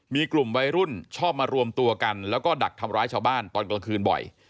มีกลุ่มวัยรุ่นชอบมารวมตัวกันแล้วก็ดักทำร้ายชาวบ้านตอนกลางคืนบ่อย